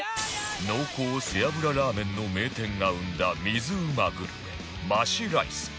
濃厚背脂ラーメンの名店が生んだ水うまグルメマシライス